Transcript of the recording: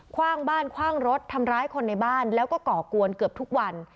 ว่างบ้านคว่างรถทำร้ายคนในบ้านแล้วก็ก่อกวนเกือบทุกวัน